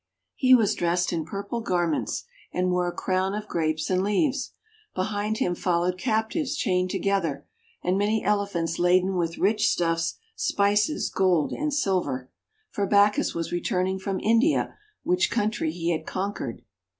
He was dressed in purple garments, and wore a crown of Grapes and leaves. Behind him followed captives chained together, and many Elephants laden with rich stuffs, spices, gold, and silver. For Bacchus was returning from India, which country he had conquered.